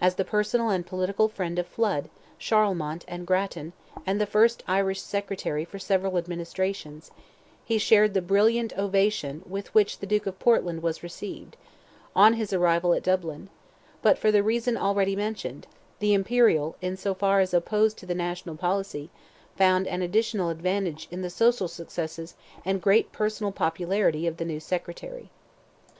As the personal and political friend of Flood, Charlemont, and Grattan, and the first Irish secretary for several administrations, he shared the brilliant ovation with which the Duke of Portland was received, on his arrival at Dublin; but for the reason already mentioned, the imperial, in so far as opposed to the national policy, found an additional advantage in the social successes and great personal popularity of the new secretary.